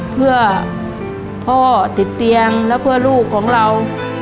เพื่อพ่อติดเตียงและเพื่อลูกของเรา